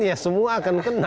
ya semua akan kena